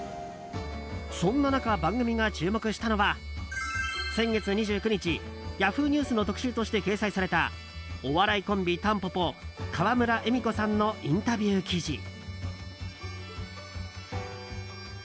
そんな中、番組が注目したのは先月２９日Ｙａｈｏｏ！ニュースの特集として掲載されたお笑いコンビ・たんぽぽ川村エミコさんのインタビュー記事。